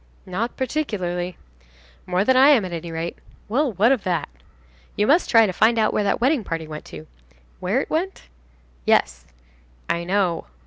"Not particularly." "More than I am, at any rate." "Well, what of that?" "You must try to find out where that wedding party went to." "Where it went?" "Yes." "I know."